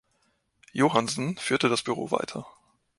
Johannsen führte das Büro weiter.